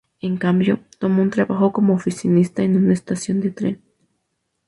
En cambio, tomó un trabajó como oficinista en una estación de tren.